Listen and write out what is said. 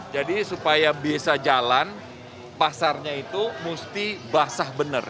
jadi supaya bisa jalan pasarnya itu mesti basah benar